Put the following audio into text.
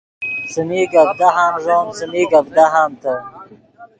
څیمی گپ دہام ݱوم څیمی گپ دہامتے